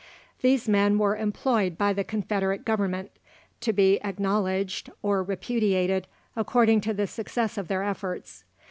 These men were employed by the Confederate Government, to be acknowledged or repudiated according to the success of their efforts.